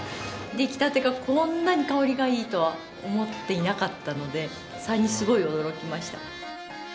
出来たてがこんなに香りがいいとは思っていなかったので最初すごい驚きました。